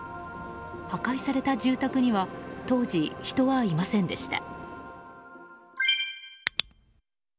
破壊された住宅には当時、人はいませんでした。